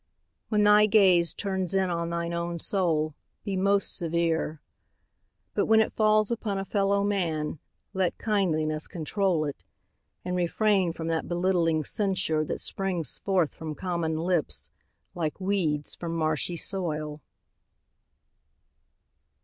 When thy gaze Turns in on thine own soul, be most severe. But when it falls upon a fellow man Let kindliness control it; and refrain From that belittling censure that springs forth From common lips like weeds from marshy soil.